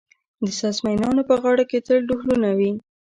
د ساز مېنانو په غاړه کې تل ډهلونه وي.